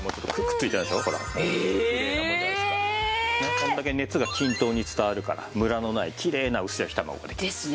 こんだけ熱が均等に伝わるからムラのないきれいな薄焼き卵ができる。